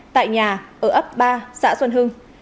tại nhà ở ấp ba xã xuân hưng